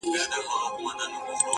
• د خپل هنر او ضمناً د عقل کمال وښيي -